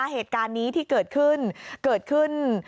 เหตุการณ์นี้ที่เกิดขึ้น